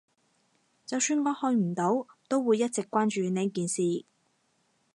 就算我去唔到，都會一直關注呢件事